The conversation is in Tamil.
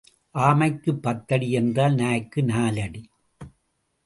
ஆமைக்குப் பத்து அடி என்றால் நாய்க்கு நாலு அடி.